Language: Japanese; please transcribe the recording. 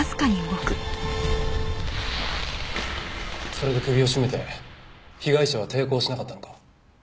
それで首を絞めて被害者は抵抗しなかったのか？